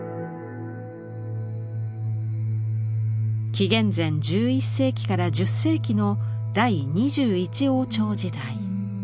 紀元前１１世紀から１０世紀の第２１王朝時代。